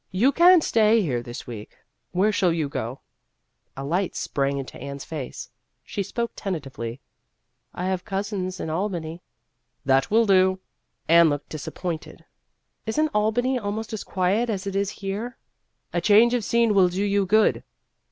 You can't stay here this week. Where shall you go ?" A light sprang into Anne's face. She spoke tentatively :" I have cousins in Al bany." " That will do." Anne looked disappointed. " Is n't Al bany almost as quiet as it is here ?"" A change of scene will do you good."